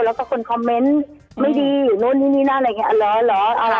แล้วก็คนคอมเมนต์ไม่ดีนู่นนี่นี่นั่นอะไรอย่างนี้